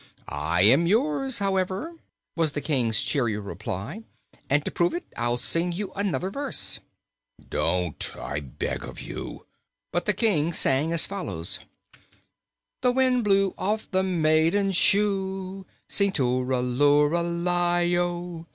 "I am yours, however," was the King's cheery reply; "and to prove it I'll sing you another verse." "Don't, I beg of you!" But the King sang as follows: "The wind blew off the maiden's shoe Sing too ral oo ral i do!